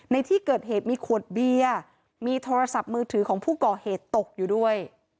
ในที่เกิดเหตุมีขวดเบียร์มีโทรศัพท์มือถือของผู้ก่อเหตุตกอยู่ด้วย